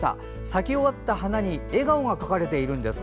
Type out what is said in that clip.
咲き終わった花に笑顔が描かれているんです。